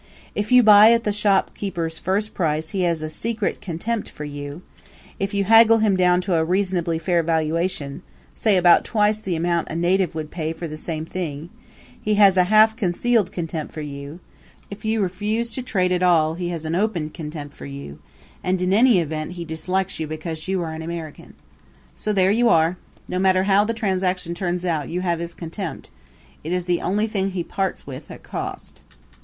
If you buy at the shopkeeper's first price he has a secret contempt for you; if you haggle him down to a reasonably fair valuation say about twice the amount a native would pay for the same thing he has a half concealed contempt for you; if you refuse to trade at any price he has an open contempt for you; and in any event he dislikes you because you are an American. So there you are. No matter how the transaction turns out you have his contempt; it is the only thing he parts with at cost.